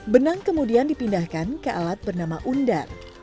benang kemudian dipindahkan ke alat bernama undar